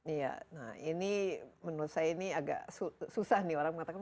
iya nah ini menurut saya ini agak susah nih orang mengatakan